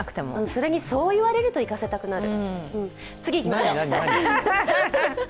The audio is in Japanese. それにそう言われると行かせたくなる。